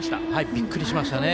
びっくりしましたね。